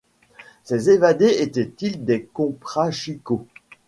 Ces évadés étaient-ils des comprachicos?